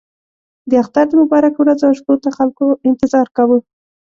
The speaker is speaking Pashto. د اختر د مبارکو ورځو او شپو ته خلکو انتظار کاوه.